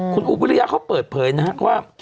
คุณอุ๊บวิริยาเขาเปิดเผยนะครับว่า